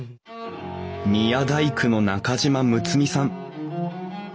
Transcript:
宮大工の中島睦巳さん。